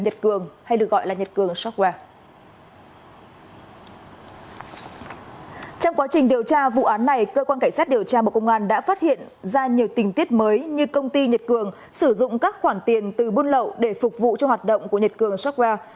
trong quá trình điều tra vụ án này cơ quan cảnh sát điều tra bộ công an đã phát hiện ra nhiều tình tiết mới như công ty nhật cường sử dụng các khoản tiền từ buôn lậu để phục vụ cho hoạt động của nhật cường super